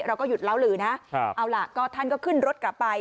เราก็หยุดเล่าลือนะเอาล่ะก็ท่านก็ขึ้นรถกลับไป